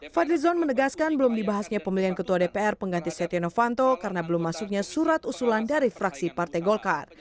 fadlizon menegaskan belum dibahasnya pemilihan ketua dpr pengganti setia novanto karena belum masuknya surat usulan dari fraksi partai golkar